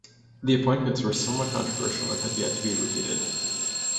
The appointments were somewhat controversial and have yet to be repeated.